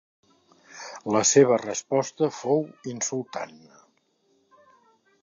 La seva resposta fou insultant.